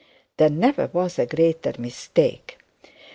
There never was a greater mistake.